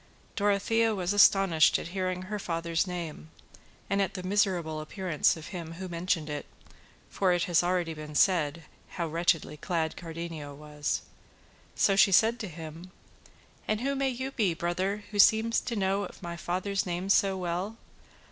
Dorothea was astonished at hearing her father's name, and at the miserable appearance of him who mentioned it, for it has been already said how wretchedly clad Cardenio was; so she said to him: "And who may you be, brother, who seem to know my father's name so well?